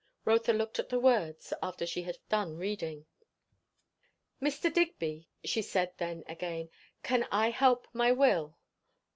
'" Rotha looked at the words, after she had done reading. "Mr. Digby," she said then again, "can I help my will?"